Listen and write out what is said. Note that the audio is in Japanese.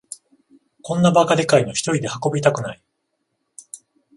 こんなバカでかいのひとりで運びたくない